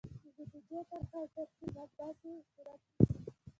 د بودیجې طرحه او ترتیب همداسې صورت نیسي.